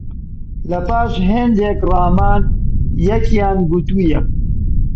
لە پاش هێندێک ڕامان، یەکیان گوتوویە: